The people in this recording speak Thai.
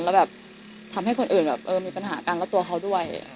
แล้วทำให้คนอื่นมีปัญหาการเลือกตัวเขาด้วย